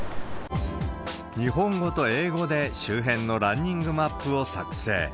日本語と英語で周辺のランニングマップを作成。